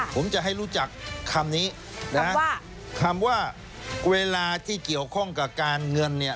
ผมจะให้รู้จักคำนี้นะว่าคำว่าเวลาที่เกี่ยวข้องกับการเงินเนี่ย